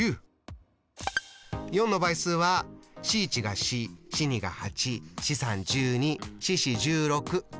４の倍数は４１が４４２が８４３１２４４１６。